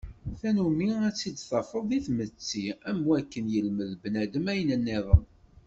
D tannumi ad tt-id-tafeḍ deg tmetti am wakken yelmed bnadem ayen nniḍen.